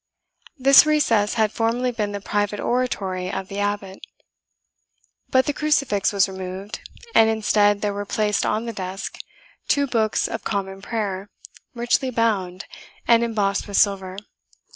This recess had formerly been the private oratory of the abbot; but the crucifix was removed, and instead there were placed on the desk, two Books of Common Prayer, richly bound, and embossed with silver.